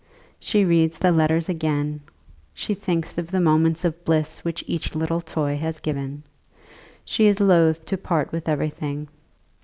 She reads the letters again. She thinks of the moments of bliss which each little toy has given. She is loth to part with everything.